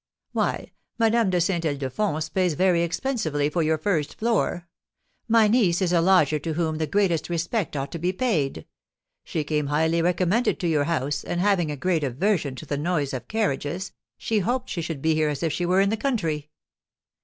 "Why, Madame de Saint Ildefonse pays very expensively for your first floor. My niece is a lodger to whom the greatest respect ought to be paid; she came highly recommended to your house, and, having a great aversion to the noise of carriages, she hoped she should be here as if she were in the country."